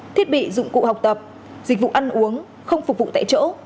thiết bị dụng cụ học tập dịch vụ ăn uống không phục vụ tại chỗ